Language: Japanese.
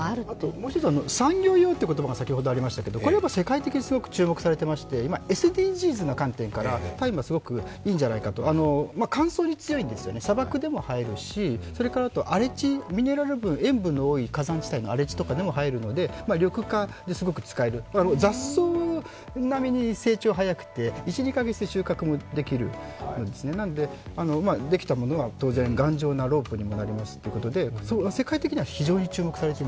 もう一つ、産業用という言葉が先ほどありましたけどこれは世界的にすごく注目されていましてＳＤＧｓの観点から大麻がすごくいいんじゃないかと乾燥に強いんですよね、砂漠でも生えるし、それからあと荒れ地、ミネラル分、塩分の多い火山灰でもできるので緑化ですごく使える雑草並みに成長が早くて１２か月で収穫できるんですねなのでできたものは当然頑丈なロープにもなりますということで世界的には非常に注目されている。